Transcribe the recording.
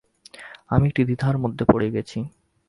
আমি একটি দ্বিধার মধ্যে পড়ে গেছি।